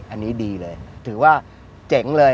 อันนี้ดีเลยถือว่าเจ๋งเลย